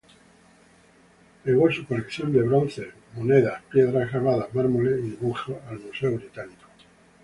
Legó su colección de bronces, monedas, piedras grabadas, mármoles, y dibujos al Museo Británico.